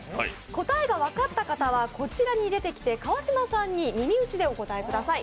答えが分かった方はここに出てきて川島さんに耳打ちで答えてください。